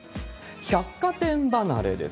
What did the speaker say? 百貨店離れです。